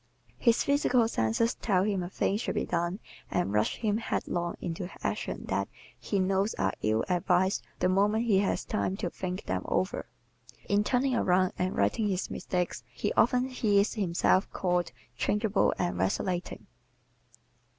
His physical senses tell him a thing should be done and rush him headlong into actions that he knows are ill advised the moment he has time to think them over. In turning around and righting his mistakes he often hears himself called "changeable" and "vacillating."